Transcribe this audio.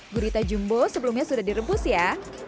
gurita jumbo sebelumnya sudah direbus ya